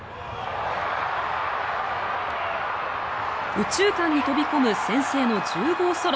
右中間に飛び込む先制の１０号ソロ。